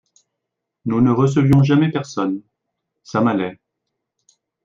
Nous ne recevions jamais personne… ça m’allait…